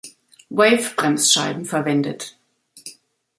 Wave-Bremsscheiben verwendet.